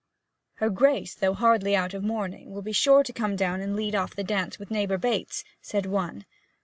'Her Grace, though hardly out of mourning, will be sure to come down and lead off the dance with neighbour Bates,' said one.